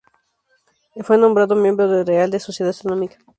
Fue nombrado miembro de la Real Sociedad Astronómica.